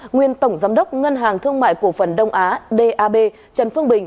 nguyên tổng giám đốc ngân hàng thương mại cổ phần đông á d a b trần phương bình